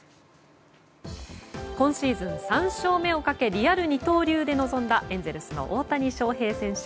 今シーズン３勝目をかけリアル二刀流で臨んだエンゼルスの大谷翔平選手。